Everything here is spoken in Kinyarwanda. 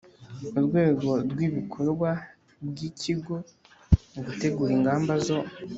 Urwego rw ibikorwa bw ikigo gutegura ingamba zo